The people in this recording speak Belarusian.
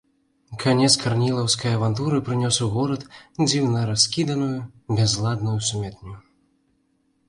Канец карнілаўскай авантуры прынёс ў горад дзіўна раскіданую, бязладную сумятню.